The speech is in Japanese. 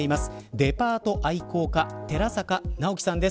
デパート愛好家寺坂直毅さんです。